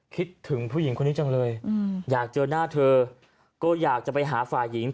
คิดถึงผู้หญิงคนนี้จังเลยอยากเจอหน้าเธอก็อยากจะไปหาฝ่ายหญิง